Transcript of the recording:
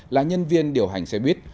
là nhân viên điều hành xe buýt